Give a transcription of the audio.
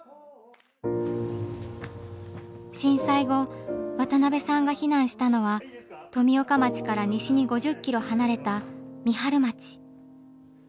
震災後渡辺さんが避難したのは富岡町から西に５０ｋｍ離れた三春町。